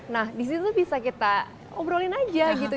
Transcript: nah di situ bisa kita obrolin aja gitu